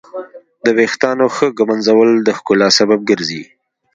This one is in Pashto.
د ویښتانو ښه ږمنځول د ښکلا سبب ګرځي.